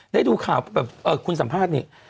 ได้ดูข่าวแบบคุณสัมภาษณ์นี่